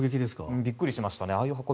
びっくりしました。